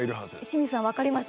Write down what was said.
清水さん、分かります？